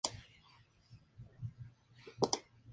El Simón de honor fue entregado al veterano director Carlos Saura.